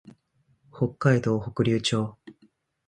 北海道北竜町